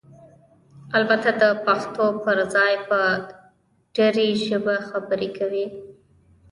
البته دپښتو پرځای په ډري ژبه خبرې کوي؟!